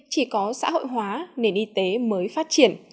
chỉ có xã hội hóa nền y tế mới phát triển